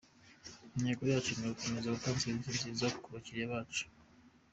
Intego yacu ni ugukomeza gutanga serivisi nziza ku bakiliya bacu.’’